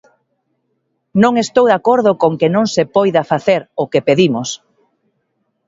Non estou de acordo con que non se poida facer o que pedimos.